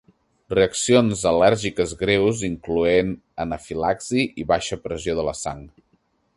Reaccions al·lèrgiques greus incloent anafilaxi i baixa pressió de la sang.